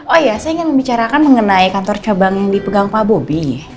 oh iya saya ingin membicarakan mengenai kantor cabang yang dipegang pak bobi nih